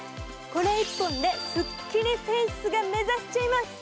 これ１本ですっきりフェイスが目指せちゃいます。